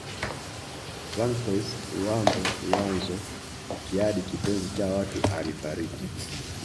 Francois Luambo Luanzo Makiadi kipenzi cha watu alifariki